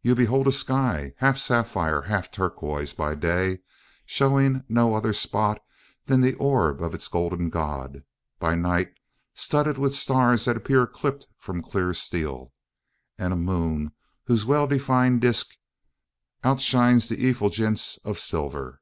You behold a sky, half sapphire, half turquoise; by day, showing no other spot than the orb of its golden god; by night, studded with stars that appear clipped from clear steel, and a moon whose well defined disc outshines the effulgence of silver.